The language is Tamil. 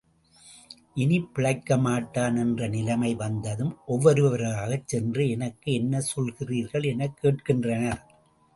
இனி பிழைக்கமாட்டான் என்று நிலைமை வந்ததும், ஒவ்வொருவராகச் சென்று எனக்கு என்ன சொல்கிறீர்கள்? எனக் கேட்கின்றனர்.